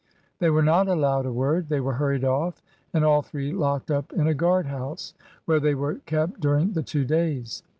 They were not allowed a word. They were hurried off, and all three locked up in a guard house, where they were kept during the two days.